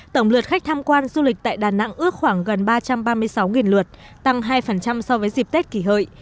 tổng lượt khách tham quan du lịch tại đà nẵng ước khoảng gần ba trăm ba mươi sáu lượt tăng hai so với dịp tết kỷ hợi